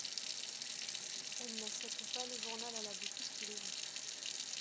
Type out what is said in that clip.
Elles n'achètent pas le journal à la boutique tous les jours